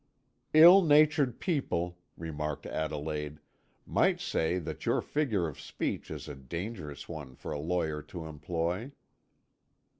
"Ill natured people," remarked Adelaide, "might say that your figure of speech is a dangerous one for a lawyer to employ."